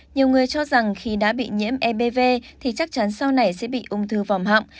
nhiều người cho rằng khi đã bị nhiễm ebvv thì chắc chắn sau này sẽ bị ung thư vòng họng